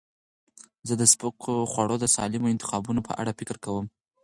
زه د سپک خواړو د سالمو انتخابونو په اړه فکر کوم.